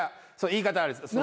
言い方悪いです。